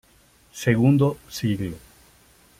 Segundo siglo